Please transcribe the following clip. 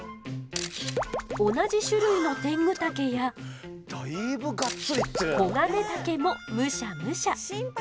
同じ種類のテングタケやコガネタケもむしゃむしゃ！